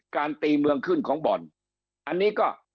การตีเมืองขึ้นของบ่อนอันนี้ก็